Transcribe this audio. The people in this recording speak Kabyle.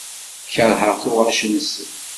Keṛheɣ tuɣac-nsen.